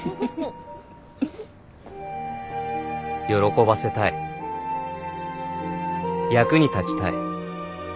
喜ばせたい役に立ちたい